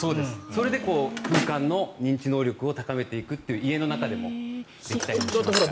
それで空間の認知能力を高めていくという家の中でもできたりしますから。